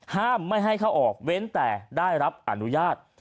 ห้ามไม่ให้เข้าออกเว้นแต่ได้รับอนุญาต